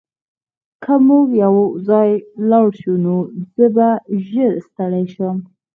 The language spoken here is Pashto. که موږ یوځای لاړ شو نو زه به ژر ستړی شم